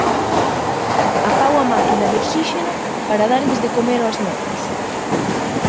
Apago a máquina de oxíxeno para darlles de comer aos netos.